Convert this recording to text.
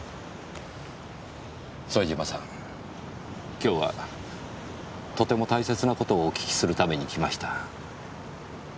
今日はとても大切な事をお訊きするために来ました。